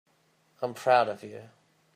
I'm proud of you.